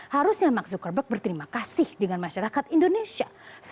harusnya mark zuckerberg berterima kasih dengan masyarakat indonesia